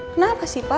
kenapa sih pa